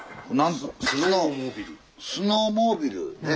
スノーモービルねっ。